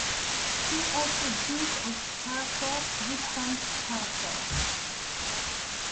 See also Duke of Hereford, Viscount Hereford.